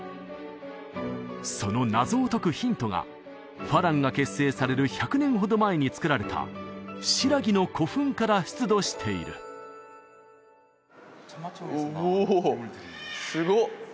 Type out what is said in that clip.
その謎を解くヒントが花郎が結成される１００年ほど前につくられた新羅の古墳から出土しているおおすごっ